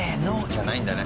じゃないんだね。